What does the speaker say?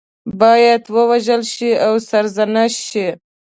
باید ووژل شي او سرزنش شي.